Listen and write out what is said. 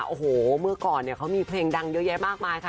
โอ้โหเมื่อก่อนเนี่ยเขามีเพลงดังเยอะแยะมากมายค่ะ